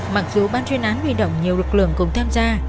mặc dù ban chuyên án huy động nhiều lực lượng cùng tham gia